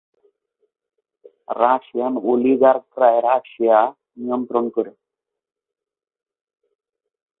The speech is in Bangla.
এগুলোর একটি হচ্ছে সক্রিয় নিরাপত্তা।